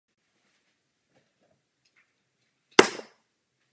Svatý Tomáš a Princův ostrov nezískal žádnou medaili.